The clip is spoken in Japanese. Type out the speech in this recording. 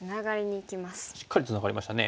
しっかりツナがりましたね。